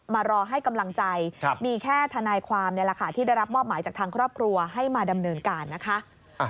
มารอให้กำลังใจมีแค่ทนายความนี่แหละค่ะที่ได้รับมอบหมายจากทางครอบครัวให้มาดำเนินการนะคะ